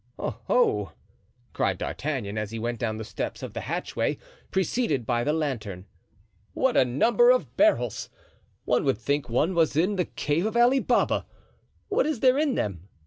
"Oho!" cried D'Artagnan, as he went down the steps of the hatchway, preceded by the lantern, "what a number of barrels! one would think one was in the cave of Ali Baba. What is there in them?"